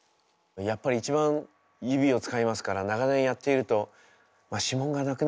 やっぱり一番指を使いますから長年やっていると指紋がなくなっていって。